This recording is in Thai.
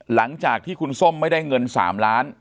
หลังจากที่คุณส้มไม่ได้เงิน๓ล้าน